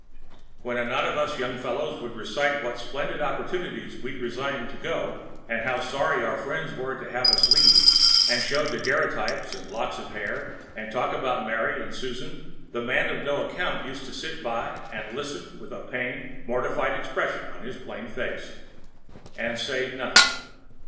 When a knot of us young fellows would recite what splendid opportunities we resigned to go, and how sorry our friends were to have us leave, and show daguerreotypes and locks of hair, and talk of Mary and Susan, the man of no account used to sit by and listen with a pained, mortified expression on his plain face, and say nothing.